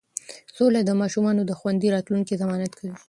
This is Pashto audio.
سوله د ماشومانو د خوندي راتلونکي ضمانت کوي.